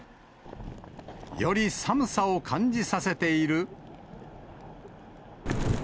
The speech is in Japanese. より寒さを感じさせている。